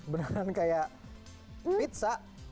beneran kayak pizza